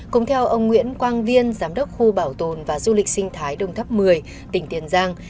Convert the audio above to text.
cùng theo ông nguyễn quang viên giám đốc khu bảo tồn và du lịch sinh thái đồng thấp một mươi tỉnh tiền giang